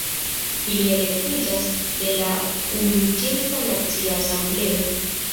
Ili elektiĝas de la Unuiĝinta Nacia Asembleo.